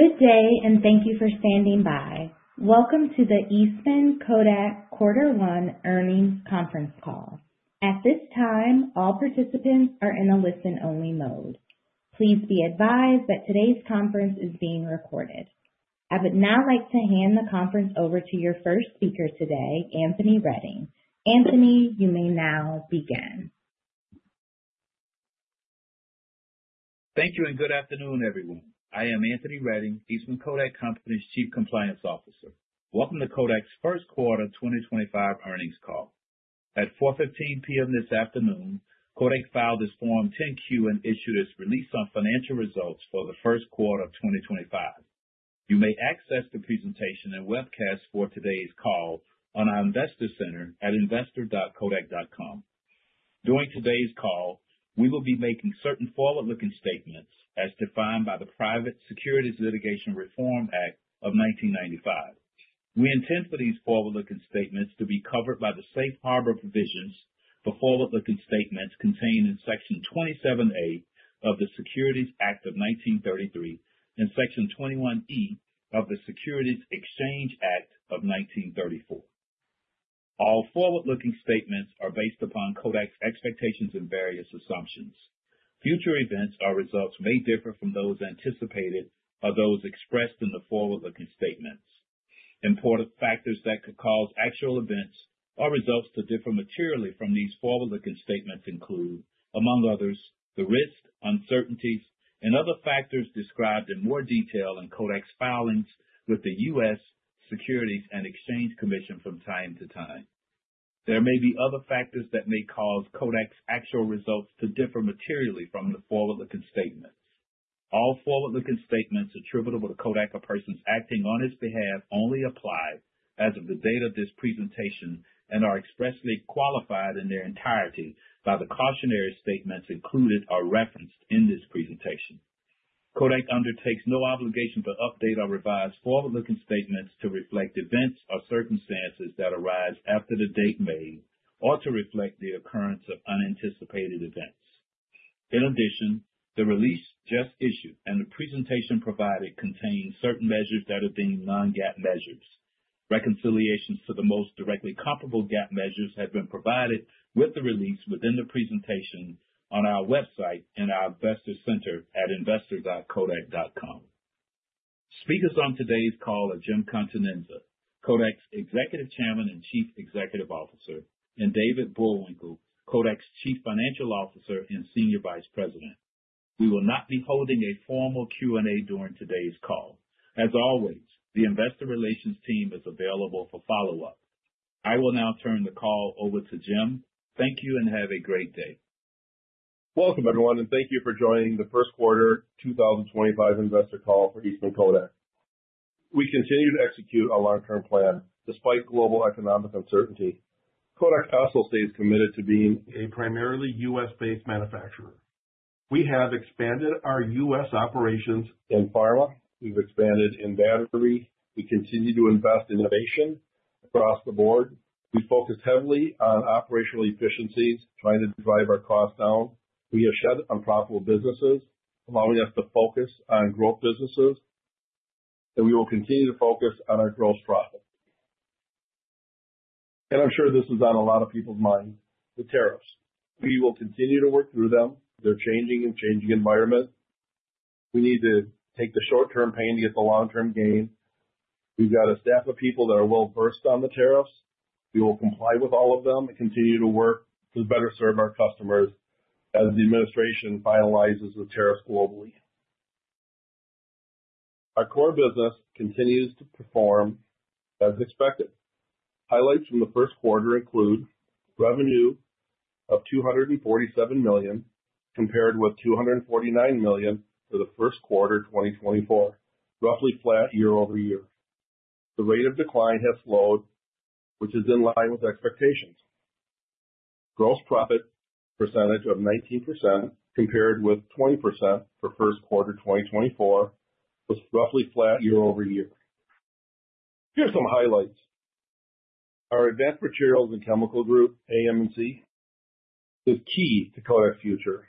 Good day, and thank you for standing by. Welcome to the Eastman Kodak quarter one earnings conference call. At this time, all participants are in a listen-only mode. Please be advised that today's conference is being recorded. I would now like to hand the conference over to your first speaker today, Anthony Redding. Anthony, you may now begin. Thank you, and good afternoon, everyone. I am Anthony Redding, Eastman Kodak Company's Chief Compliance Officer. Welcome to Kodak's first quarter 2025 earnings call. At 4:15 P.M. this afternoon, Kodak filed its Form 10Q and issued its release on financial results for the first quarter of 2025. You may access the presentation and webcast for today's call on our investor center at investor.kodak.com. During today's call, we will be making certain forward-looking statements as defined by the Private Securities Litigation Reform Act of 1995. We intend for these forward-looking statements to be covered by the safe harbor provisions for forward-looking statements contained in Section 27A of the Securities Act of 1933 and Section 21E of the Securities Exchange Act of 1934. All forward-looking statements are based upon Kodak's expectations and various assumptions. Future events or results may differ from those anticipated or those expressed in the forward-looking statements. Important factors that could cause actual events or results to differ materially from these forward-looking statements include, among others, the risk, uncertainties, and other factors described in more detail in Kodak's filings with the U.S. Securities and Exchange Commission from time to time. There may be other factors that may cause Kodak's actual results to differ materially from the forward-looking statements. All forward-looking statements attributable to Kodak or persons acting on its behalf only apply as of the date of this presentation and are expressly qualified in their entirety by the cautionary statements included or referenced in this presentation. Kodak undertakes no obligation to update or revise forward-looking statements to reflect events or circumstances that arise after the date made or to reflect the occurrence of unanticipated events. In addition, the release just issued and the presentation provided contain certain measures that are deemed non-GAAP measures. Reconciliations to the most directly comparable GAAP measures have been provided with the release within the presentation on our website and our investor center at investor.kodak.com. Speakers on today's call are Jim Continenza, Kodak's Executive Chairman and Chief Executive Officer, and David Bullwinkle, Kodak's Chief Financial Officer and Senior Vice President. We will not be holding a formal Q&A during today's call. As always, the investor relations team is available for follow-up. I will now turn the call over to Jim. Thank you, and have a great day. Welcome, everyone, and thank you for joining the first quarter 2025 investor call for Eastman Kodak. We continue to execute our long-term plan despite global economic uncertainty. Kodak also stays committed to being a primarily U.S. based manufacturer. We have expanded our U.S. operations in pharma. We've expanded in battery. We continue to invest in innovation across the board. We focus heavily on operational efficiencies, trying to drive our costs down. We have shut unprofitable businesses, allowing us to focus on growth businesses. We will continue to focus on our gross profit. I'm sure this is on a lot of people's minds: the tariffs. We will continue to work through them. They're changing in a changing environment. We need to take the short-term pain to get the long-term gain. We've got a staff of people that are well-versed on the tariffs. We will comply with all of them and continue to work to better serve our customers as the administration finalizes the tariffs globally. Our core business continues to perform as expected. Highlights from the first quarter include revenue of $247 million compared with $249 million for the first quarter 2024, roughly flat year-over-year. The rate of decline has slowed, which is in line with expectations. Gross profit percentage of 19% compared with 20% for first quarter 2024 was roughly flat year-over year. Here are some highlights. Our advanced materials and chemical group, AM&C, is key to Kodak's future.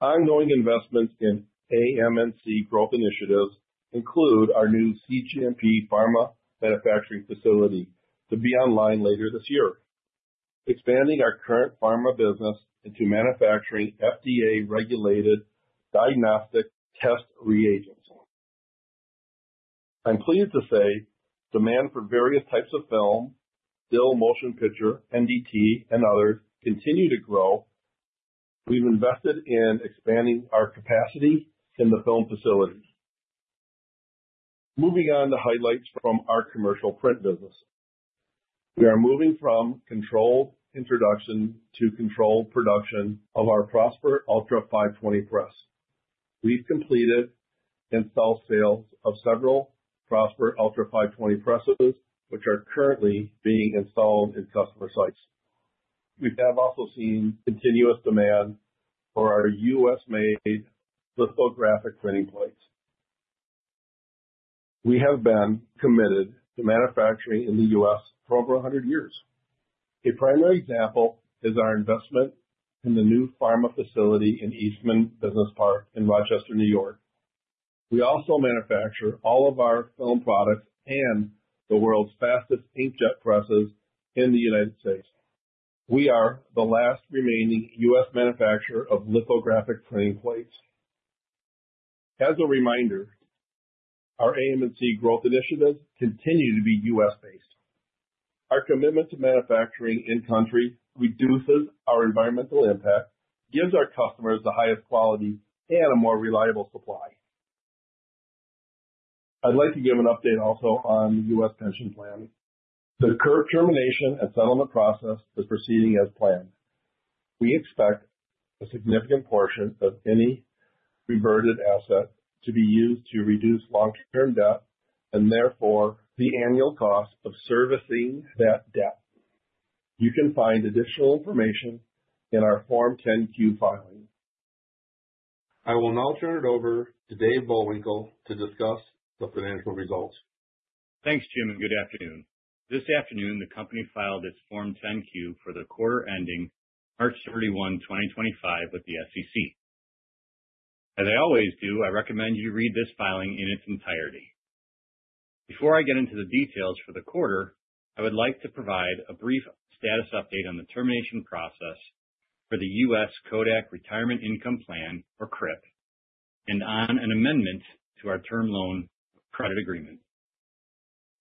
Ongoing investments in AM&C growth initiatives include our new CGMP pharma manufacturing facility to be online later this year, expanding our current pharma business into manufacturing FDA-regulated diagnostic test reagents. I'm pleased to say demand for various types of film, still motion picture, NDT, and others continues to grow. We've invested in expanding our capacity in the film facility. Moving on to highlights from our commercial print business. We are moving from controlled introduction to controlled production of our Prosper Ultra 520 press. We've completed install sales of several Prosper Ultra 520 presses, which are currently being installed in customer sites. We have also seen continuous demand for our U.S.-made lithographic printing plates. We have been committed to manufacturing in the U.S. for over 100 years. A primary example is our investment in the new pharma facility in Eastman Business Park in Rochester, New York. We also manufacture all of our film products and the world's fastest inkjet presses in the United States. We are the last remaining U.S. manufacturer of lithographic printing plates. As a reminder, our AM&C growth initiatives continue to be U.S.-based. Our commitment to manufacturing in-country reduces our environmental impact, gives our customers the highest quality, and a more reliable supply. I'd like to give an update also on the U.S. pension plan. The current termination and settlement process is proceeding as planned. We expect a significant portion of any reverted asset to be used to reduce long-term debt and therefore the annual cost of servicing that debt. You can find additional information in our Form 10Q filing. I will now turn it over to David Bullwinkle to discuss the financial results. Thanks, Jim, and good afternoon. This afternoon, the company filed its Form 10Q for the quarter ending March 31, 2025, with the SEC. As I always do, I recommend you read this filing in its entirety. Before I get into the details for the quarter, I would like to provide a brief status update on the termination process for the U.S. Kodak Retirement Income Plan, or CRIP, and on an amendment to our term loan credit agreement.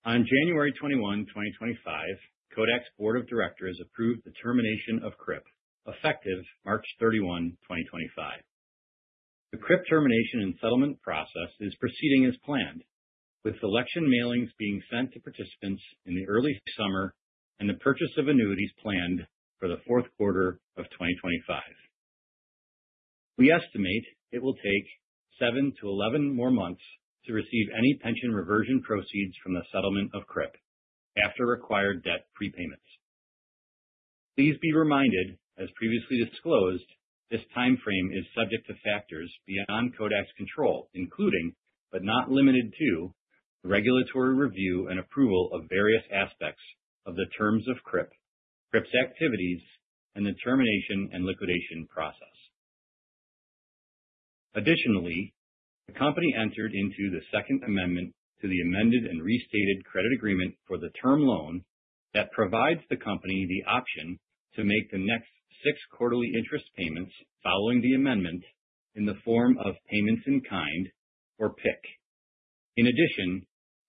On January 21, 2025, Kodak's board of directors approved the termination of CRIP, effective March 31, 2025. The CRIP termination and settlement process is proceeding as planned, with selection mailings being sent to participants in the early summer and the purchase of annuities planned for the fourth quarter of 2025. We estimate it will take 7-11 more months to receive any pension reversion proceeds from the settlement of CRIP after required debt prepayments. Please be reminded, as previously disclosed, this timeframe is subject to factors beyond Kodak's control, including, but not limited to, the regulatory review and approval of various aspects of the terms of CRIP, CRIP's activities, and the termination and liquidation process. Additionally, the company entered into the Second Amendment to the amended and restated credit agreement for the term loan that provides the company the option to make the next six quarterly interest payments following the amendment in the form of payments in kind or PIK. In addition,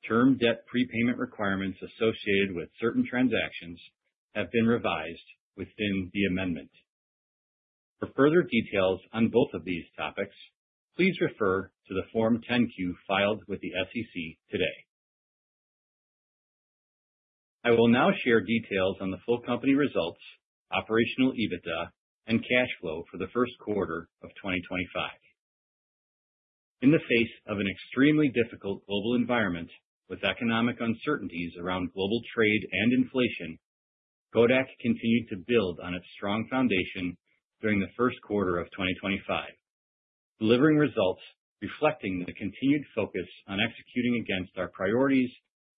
term debt prepayment requirements associated with certain transactions have been revised within the amendment. For further details on both of these topics, please refer to the Form 10Q filed with the SEC today. I will now share details on the full company results, operational EBITDA, and cash flow for the first quarter of 2025. In the face of an extremely difficult global environment with economic uncertainties around global trade and inflation, Kodak continued to build on its strong foundation during the first quarter of 2025, delivering results reflecting the continued focus on executing against our priorities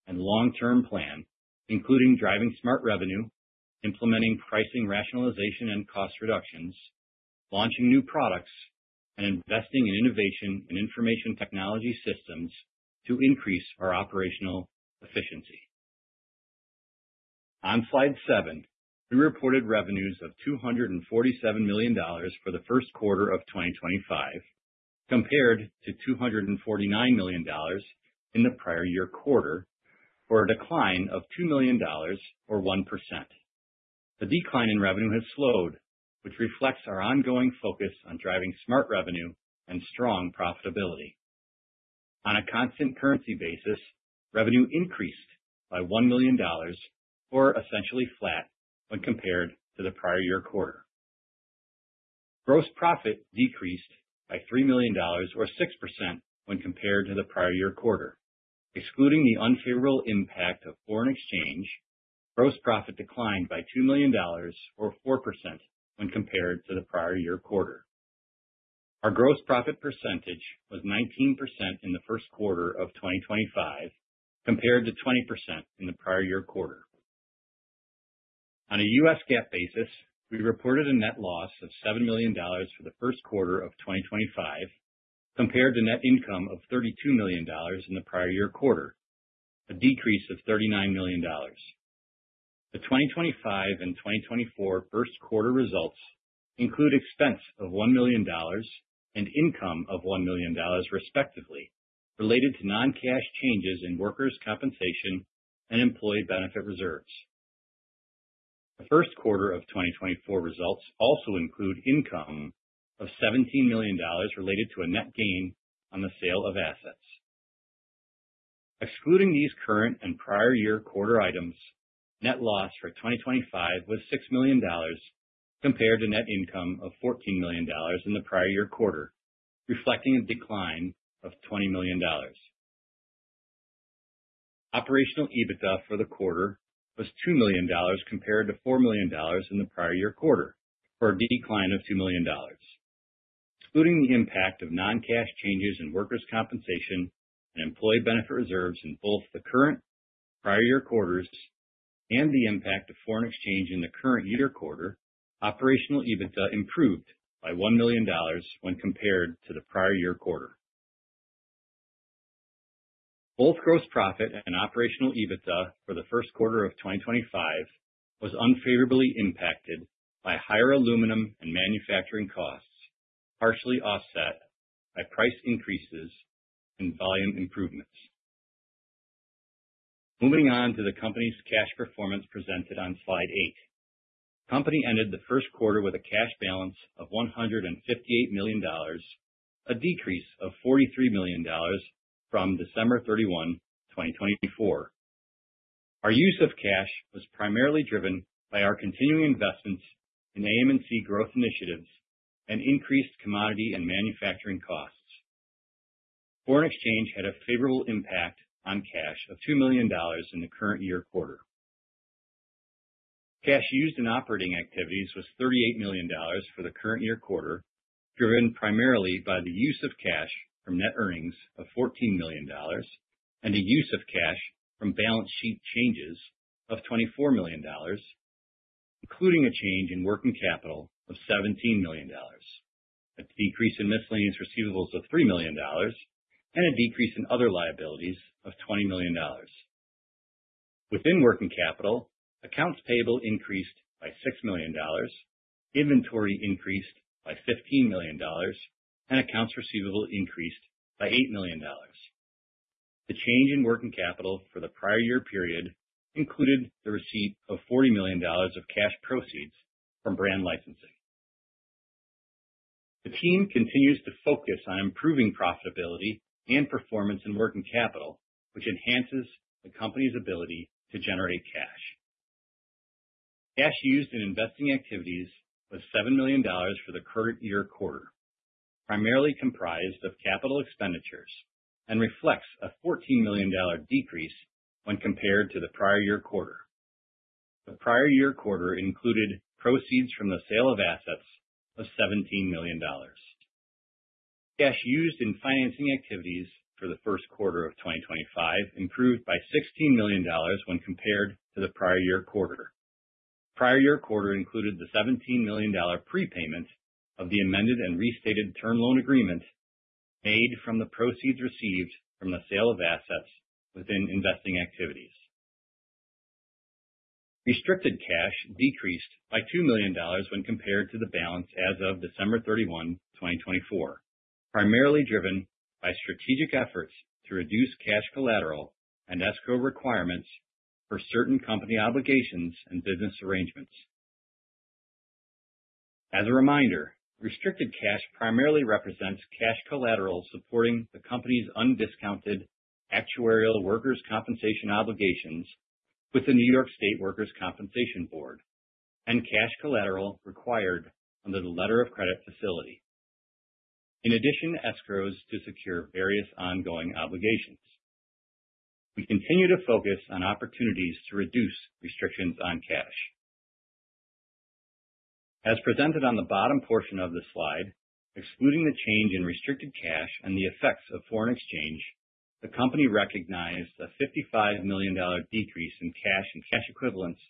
and long-term plan, including driving smart revenue, implementing pricing rationalization and cost reductions, launching new products, and investing in innovation in information technology systems to increase our operational efficiency. On slide 7, we reported revenues of $247 million for the first quarter of 2025 compared to $249 million in the prior year quarter, for a decline of $2 million or 1%. The decline in revenue has slowed, which reflects our ongoing focus on driving smart revenue and strong profitability. On a constant currency basis, revenue increased by $1 million or essentially flat when compared to the prior year quarter. Gross profit decreased by $3 million or 6% when compared to the prior year quarter. Excluding the unfavorable impact of foreign exchange, gross profit declined by $2 million or 4% when compared to the prior year quarter. Our gross profit percentage was 19% in the first quarter of 2025 compared to 20% in the prior year quarter. On a U.S. GAAP basis, we reported a net loss of $7 million for the first quarter of 2025 compared to net income of $32 million in the prior year quarter, a decrease of $39 million. The 2025 and 2024 first quarter results include expense of $1 million and income of $1 million, respectively, related to non-cash changes in workers' compensation and employee benefit reserves. The first quarter of 2024 results also include income of $17 million related to a net gain on the sale of assets. Excluding these current and prior year quarter items, net loss for 2025 was $6 million compared to net income of $14 million in the prior year quarter, reflecting a decline of $20 million. Operational EBITDA for the quarter was $2 million compared to $4 million in the prior year quarter, for a decline of $2 million. Excluding the impact of non-cash changes in workers' compensation and employee benefit reserves in both the current and prior year quarters and the impact of foreign exchange in the current year quarter, operational EBITDA improved by $1 million when compared to the prior year quarter. Both gross profit and operational EBITDA for the first quarter of 2025 was unfavorably impacted by higher aluminum and manufacturing costs, partially offset by price increases and volume improvements. Moving on to the company's cash performance presented on slide 8, the company ended the first quarter with a cash balance of $158 million, a decrease of $43 million from December 31, 2024. Our use of cash was primarily driven by our continuing investments in AM&C growth initiatives and increased commodity and manufacturing costs. Foreign exchange had a favorable impact on cash of $2 million in the current year quarter. Cash used in operating activities was $38 million for the current year quarter, driven primarily by the use of cash from net earnings of $14 million and the use of cash from balance sheet changes of $24 million, including a change in working capital of $17 million, a decrease in miscellaneous receivables of $3 million, and a decrease in other liabilities of $20 million. Within working capital, accounts payable increased by $6 million, inventory increased by $15 million, and accounts receivable increased by $8 million. The change in working capital for the prior year period included the receipt of $40 million of cash proceeds from brand licensing. The team continues to focus on improving profitability and performance in working capital, which enhances the company's ability to generate cash. Cash used in investing activities was $7 million for the current year quarter, primarily comprised of capital expenditures and reflects a $14 million decrease when compared to the prior year quarter. The prior year quarter included proceeds from the sale of assets of $17 million. Cash used in financing activities for the first quarter of 2025 improved by $16 million when compared to the prior year quarter. Prior year quarter included the $17 million prepayment of the amended and restated term loan agreement made from the proceeds received from the sale of assets within investing activities. Restricted cash decreased by $2 million when compared to the balance as of December 31, 2024, primarily driven by strategic efforts to reduce cash collateral and escrow requirements for certain company obligations and business arrangements. As a reminder, restricted cash primarily represents cash collateral supporting the company's undiscounted actuarial workers' compensation obligations with the New York State Workers' Compensation Board and cash collateral required under the letter of credit facility, in addition to escrows to secure various ongoing obligations. We continue to focus on opportunities to reduce restrictions on cash. As presented on the bottom portion of the slide, excluding the change in restricted cash and the effects of foreign exchange, the company recognized a $55 million decrease in cash and cash equivalents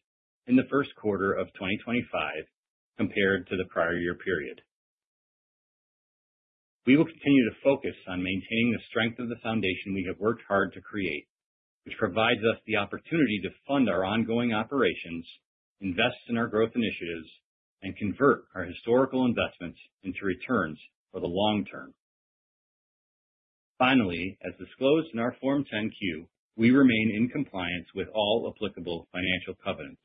in the first quarter of 2025 compared to the prior year period. We will continue to focus on maintaining the strength of the foundation we have worked hard to create, which provides us the opportunity to fund our ongoing operations, invest in our growth initiatives, and convert our historical investments into returns for the long term. Finally, as disclosed in our Form 10Q, we remain in compliance with all applicable financial covenants.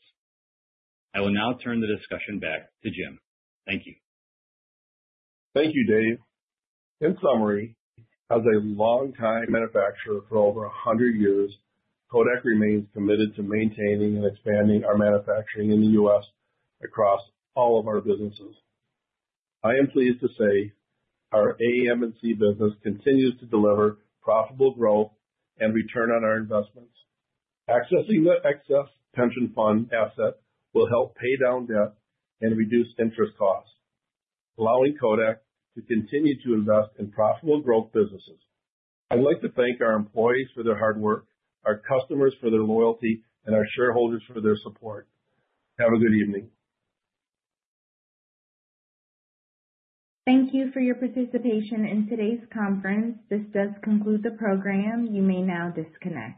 I will now turn the discussion back to Jim. Thank you. Thank you, Dave. In summary, as a long-time manufacturer for over 100 years, Kodak remains committed to maintaining and expanding our manufacturing in the U.S. across all of our businesses. I am pleased to say our AM&C business continues to deliver profitable growth and return on our investments. Accessing the excess pension fund asset will help pay down debt and reduce interest costs, allowing Kodak to continue to invest in profitable growth businesses. I'd like to thank our employees for their hard work, our customers for their loyalty, and our shareholders for their support. Have a good evening. Thank you for your participation in today's conference. This does conclude the program. You may now disconnect.